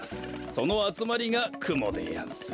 そのあつまりがくもでやんす。